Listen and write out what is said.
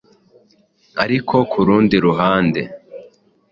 Ariko ku rundi ruhande,